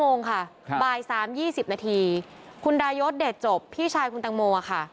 โมงค่ะบ่าย๓๒๐นาทีคุณดายศเดชจบพี่ชายคุณตังโมค่ะ